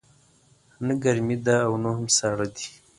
نه ګرمې ده او نه هم ساړه دی